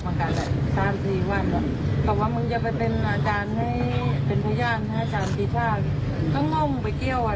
อันนี้ก็มีคนโทรมาบอกเหมือนกันแหละ